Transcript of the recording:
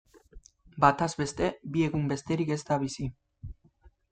Bataz beste, bi egun besterik ez da bizi.